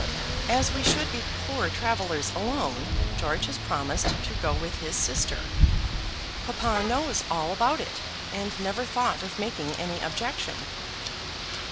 As we should be poor travellers alone, George has promised to go with his sister. Papa knows all about it, and never thought of making any objection."